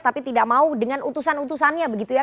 tapi tidak mau dengan utusan utusannya begitu ya